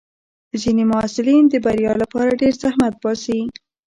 ځینې محصلین د بریا لپاره ډېر زحمت باسي.